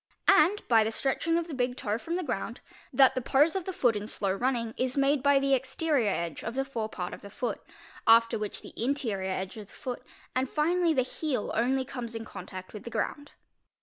and, by the stretching of the big toe from the ground, that the pose of the foot in slow running is made by the exterior edge of the forepart of | the foot, after which the interior edge of the foot and finally the heel : only comes in contact with the ground.